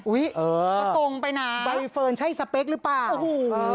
อุ๊ยตรงไปน้ำโอ้โฮใบเฟิร์นใช่สเปกหรือเปล่าโอ้โฮ